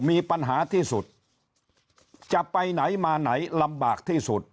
มีปัญหาที่สุดจะไปไหนมาไหนลำบากที่สุด